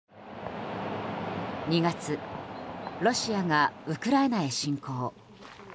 ２月、ロシアがウクライナへ侵攻。